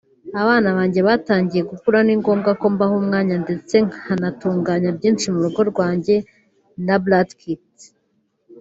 Abana banjye batangiye gukura ni ngombwa ko mbaha umwanya ndetse nkanatunganya byinshi mu rugo rwanjye na Brad Pitt”